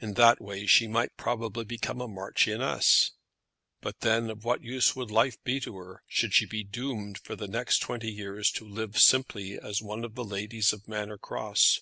In that way she might probably become a marchioness; but then of what use would life be to her, should she be doomed for the next twenty years to live simply as one of the ladies of Manor Cross?